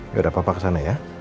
yaudah papa kesana ya